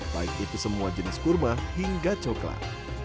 baik itu semua jenis kurma hingga coklat